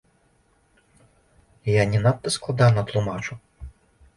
Я не надта складана тлумачу?